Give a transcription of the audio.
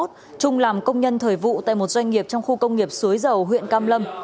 trung làm công nhân thời vụ tại một doanh nghiệp trong khu công nghiệp suối dầu huyện cam lâm